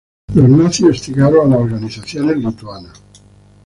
Los nazis hostigaron a las organizaciones lituanas.